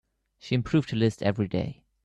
She improved her list every day.